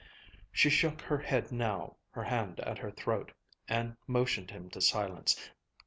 She shook her head now, her hand at her throat, and motioned him to silence.